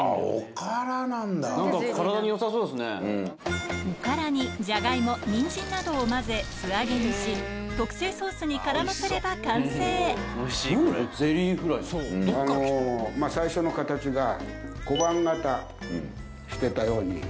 おからにじゃがいもにんじんなどを混ぜ素揚げにし特製ソースに絡ませれば完成最初の形が。